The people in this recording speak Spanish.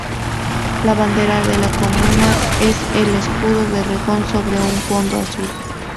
La bandera de la comuna es el escudo de Rengo sobre un fondo azul.